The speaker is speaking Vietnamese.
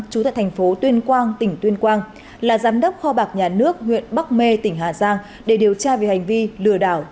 trú tại thành phố tuyên quang tỉnh tuyên quang là giám đốc kho bạc nhà nước huyện bắc mê tỉnh hà giang để điều tra về hành vi lừa đảo